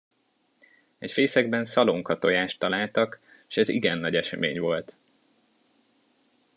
Egy fészekben szalonkatojást találtak, s ez igen nagy esemény volt.